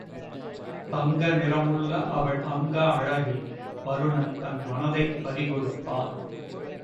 தங்க நிறமுள்ள அவள் அங்க அழகில் வருணன் தன் மனதைப் பறி கொடுத்தான்.